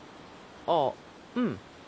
ああうん。